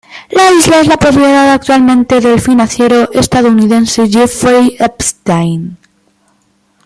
La isla es propiedad actualmente del financiero estadounidense Jeffrey Epstein.